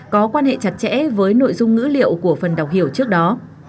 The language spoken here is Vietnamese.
có quan hệ chặt chẽ với nội dung ngữ liệu của phần đọc hiểu trước đó